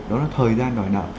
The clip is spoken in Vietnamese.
đó là thời gian đòi nợ